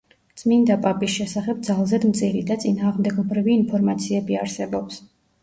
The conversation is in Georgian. წმინდა პაპის შესახებ ძალზედ მწირი და წინააღმდეგობრივი ინფორმაციები არსებობს.